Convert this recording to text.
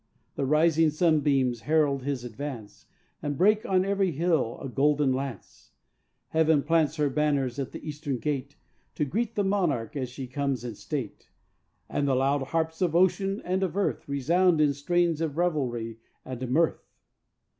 The rising sunbeams herald his advance, And break on every hill a golden lance; Heaven plants her banners at the Eastern gate, To greet the monarch as he comes in state, And the loud harps of ocean and of earth Resound in strains of revelry and mirth.